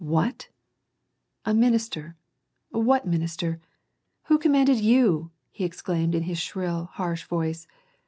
". What ? A minister. What minister ? Who commanded you ?" he exclaimed, in his shrill, harsh voice.